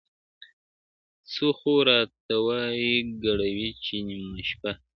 څه خو راته وايي ګړوي چي نیمه ژبه -